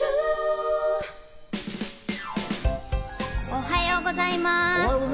おはようございます。